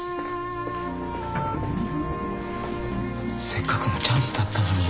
せっかくのチャンスだったのに。